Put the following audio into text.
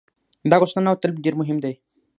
دا غوښتنه او طلب ډېر مهم دی.